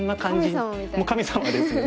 神様ですね。